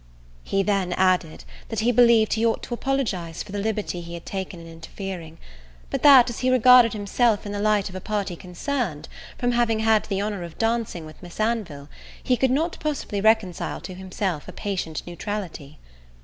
He then added, that he believed he ought to apologize for the liberty he had taken in interfering; but that, as he regarded himself in the light of a party concerned, from having had the honour of dancing with Miss Anville, he could not possibly reconcile to himself a patient neutrality.